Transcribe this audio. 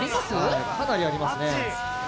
・はいかなりありますね